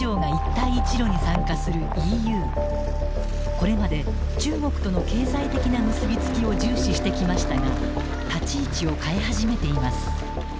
これまで中国との経済的な結び付きを重視してきましたが立ち位置を変え始めています。